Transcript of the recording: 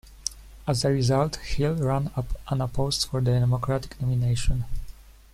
As a result, Hill ran unopposed for the Democratic nomination.